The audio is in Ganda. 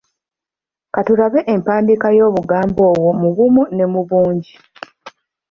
Ka tulabe empandiika y’obugambo obwo mu bumu ne mu bungi.